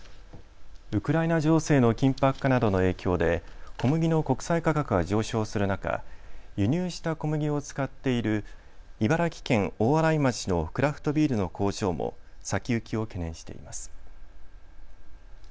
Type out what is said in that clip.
ウクライナ情勢の緊迫化などの影響で小麦の国際価格が上昇する中、輸入した小麦を使っている茨城県大洗町のクラフトビールの工場も先行きを懸念しています。